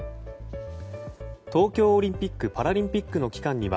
東京オリンピック・パラリンピックの期間には